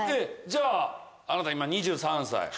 じゃあなた今２３歳。